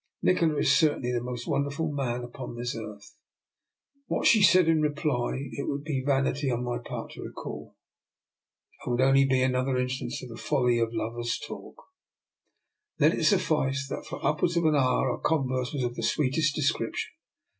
Nikola is certainly the most wonderful man upon this earth." What she said in reply it would be vanity on my part to recall, and would be only an other instance of the folly of lovers* talk. DR. NIKOLA'S EXPERIMENT. 231 Let it suffice that for upwards of an hour our converse was of the sweetest description.